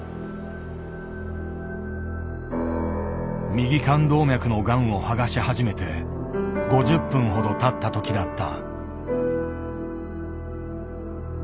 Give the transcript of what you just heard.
右肝動脈のがんを剥がし始めて５０分ほどたった時だった。